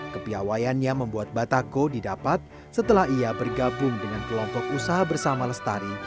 kepiawayannya membuat batako didapat setelah ia bergabung dengan kelompok usaha bersama lestari